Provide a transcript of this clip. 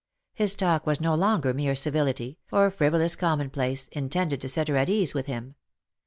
His talk was no longer mere civility, or frivolous commonplace, intended to set her at her ease with him.